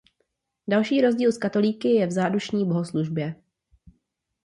Další rozdíl s katolíky je v zádušní bohoslužbě.